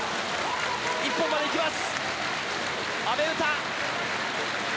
一本まで行きます！